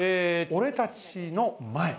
「俺たちの前」